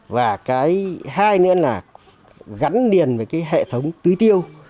và cái hai nữa là gắn liền với cái hệ thống tưới tiêu